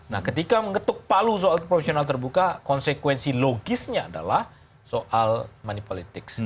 nah ketika mengetuk palu soal proporsional terbuka konsekuensi logisnya adalah soal money politics